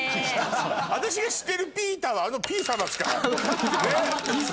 私が知ってるピーターはあのピーさましかねっ。